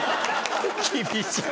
厳しい。